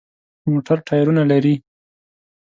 موټر ټایرونه لري.